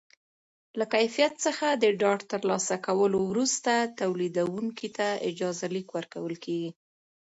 له کیفیت څخه د ډاډ ترلاسه کولو وروسته تولیدوونکي ته اجازه لیک ورکول کېږي.